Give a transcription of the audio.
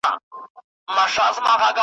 نن یې رنګ د شګوفو بوی د سکروټو .